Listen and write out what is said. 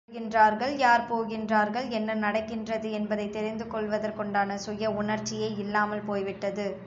யார் வருகின்றார்கள், யார் போகின்றார்கள், என்ன நடக்கின்றது என்பதைத் தெரிந்து கொள்வதற்குண்டான சுய உணர்ச்சியே இல்லாமல் போய்விட்டது.